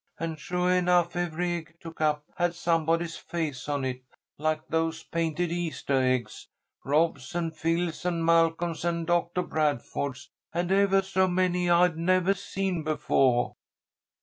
And suah enough, every egg I took up had somebody's face on it, like those painted Eastah eggs; Rob's, and Phil's, and Malcolm's, and Doctah Bradford's, and evah so many I'd nevah seen befoah."